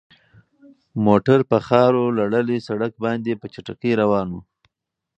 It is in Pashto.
موټر په خاورو لړلي سړک باندې په چټکۍ روان و.